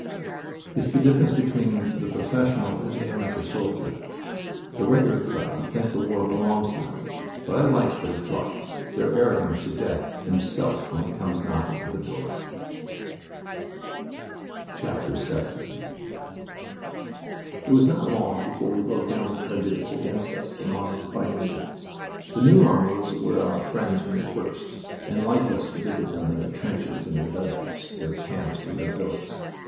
"It's the difference between the professional and the amateur soldier. The Regular crowd think the war belongs to them... But I liked their pluck. They're arrogant to Death himself when he comes knocking at the door." VII It was not long before we broke down the prejudice against us among the fighting units. The new armies were our friends from the first, and liked us to visit them in their trenches and their dugouts, their camps and their billets.